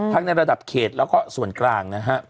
ในระดับเขตแล้วก็ส่วนกลางนะฮะ